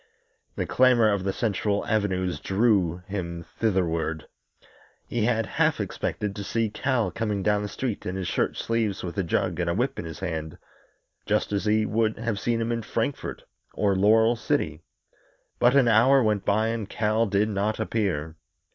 The clamor of the central avenues drew him thitherward. He had half expected to see Cal coming down the street in his shirt sleeves, with a jug and a whip in his hand, just as he would have seen him in Frankfort or Laurel City. But an hour went by and Cal did not appear.